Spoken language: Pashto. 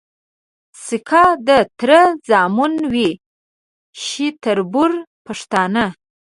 سکه د تره زامن وي شي تــربـــرونـه پښتانه